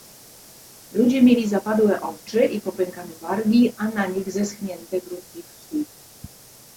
Ludzie mieli zapadłe oczy i popękane wargi, a na nich zeschnięte grudki krwi.